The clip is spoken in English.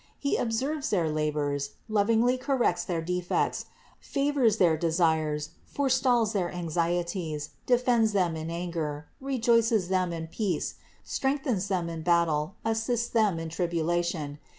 He observes their labors, lovingly corrects their defects, favors their desires, forestalls their anxieties, defends them in anger, rejoices them in peace, strengthens them in battle, assists them in tribulation.